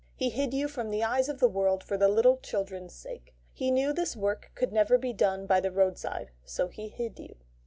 He hid you from the eyes of the world for the little children's sake. He knew this work could never have been done by the road side, so He hid you."